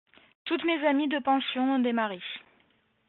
Toutes mes amies de pension ont des maris.